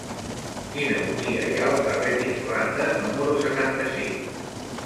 Quina botiga hi ha al carrer d'Irlanda número setanta-cinc?